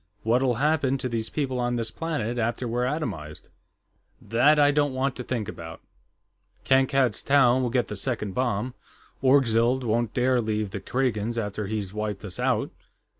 "What'll happen to these people on this planet, after we're atomized?" "That I don't want to think about. Kankad's Town will get the second bomb; Orgzild won't dare leave the Kragans after he's wiped us out.